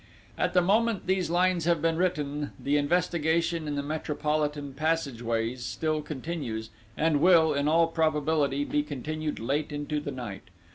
"At the moment these lines have been written, the investigation in the Metropolitan passageways still continues, and will, in all probability, be continued late into the night.